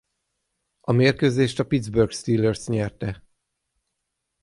A mérkőzést a Pittsburgh Steelers nyerte.